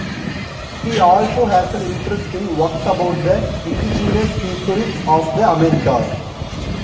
He also has an interest in works about the indigenous peoples of the Americas.